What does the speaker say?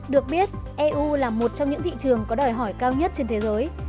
được biết eu là một trong những thị trường có đòi hỏi cao nhất trên thế giới